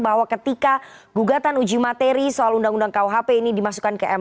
bahwa ketika gugatan uji materi soal undang undang kuhp ini dimasukkan ke mk